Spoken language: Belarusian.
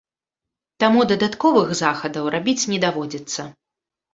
Таму дадатковых захадаў рабіць не даводзіцца.